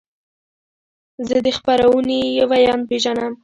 زه د خپرونې ویاند پیژنم.